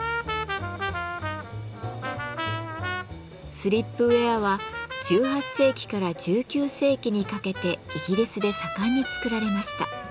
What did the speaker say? スリップウェアは１８世紀から１９世紀にかけてイギリスで盛んに作られました。